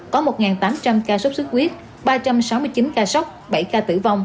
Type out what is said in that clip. có một số ca tích lũy đến tuần hai mươi bốn là hơn một mươi sáu ca